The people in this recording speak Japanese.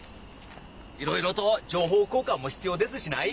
いろいろと情報交換も必要ですしない。